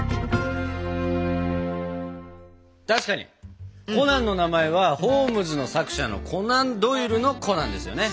確かにコナンの名前はホームズの作者のコナン・ドイルの「コナン」ですよね。